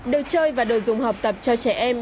đồ chơi và đồ dùng học tập cho trẻ em